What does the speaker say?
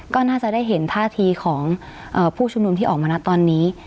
ก็น่าจะได้เห็นท่าทีของผู้ชุมนุมที่ออกมานะตอนนี้